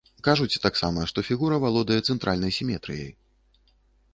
Кажуць таксама, што фігура валодае цэнтральнай сіметрыяй.